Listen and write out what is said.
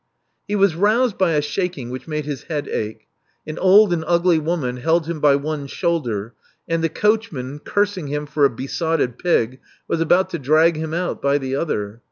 Ho Wi\s roused by a shaking which made his head Acho. An old and ugly woman held him by one slvuUor; and the coachman, cursing him for a besotted pig, was about to drag him out by the other.